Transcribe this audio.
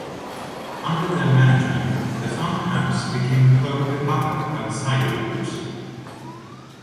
Under their management the Funhouse became a home to other outsider groups.